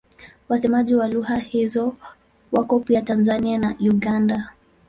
Wasemaji wa lugha hizo wako pia Tanzania na Uganda.